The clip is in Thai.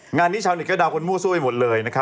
งานนี้ชาวหนิกก็ดาวคนมั่วสู้ไปหมดเลยนะครับ